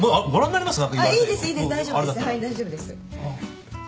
大丈夫です。